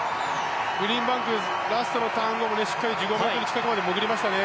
グリーンバンクラストのターン後も１５ｍ近くまで潜りましたね。